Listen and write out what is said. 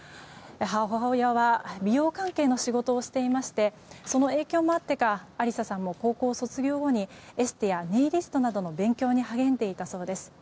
母親は美容関係の仕事をしていましてその影響もあってかありささんも高校卒業後にエステやネイリストなどの勉強に励んでいたそうです。